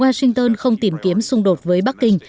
washington không tìm kiếm xung đột với bắc kinh